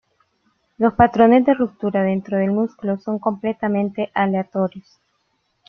Los patrones de ruptura dentro del músculo son completamente aleatorios.